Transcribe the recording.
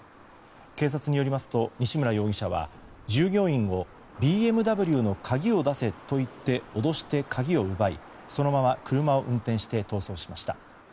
警察によりますと西村容疑者は従業員をＢＭＷの鍵を出せと言って脅して鍵を奪い、そのまま車を運転して逃走しました。